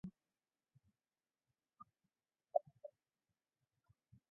建元是新罗君主法兴王和真兴王之年号。